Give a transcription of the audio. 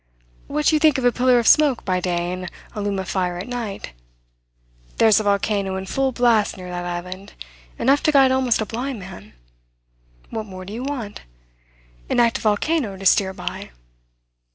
"What do you think of a pillar of smoke by day and a loom of fire at night? There's a volcano in full blast near that island enough to guide almost a blind man. What more do you want? An active volcano to steer by?"